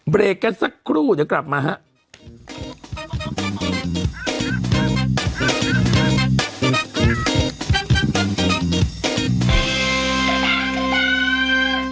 เบรกกันสักครู่เดี๋ยวกลับมาครับ